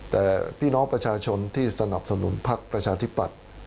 แต่พี่น้องประชาชนที่สนับสนุนพักประชาธิปัตย์